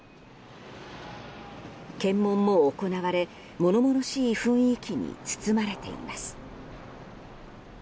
検問も行われ、物々しい雰囲気に包まれています。